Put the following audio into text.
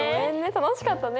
楽しかったね。